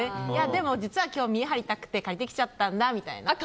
でも、実は今日見栄張りたくて借りてきちゃったんだみたいな。